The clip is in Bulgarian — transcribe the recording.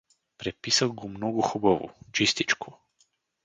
Преписах го много хубаво, чистичко.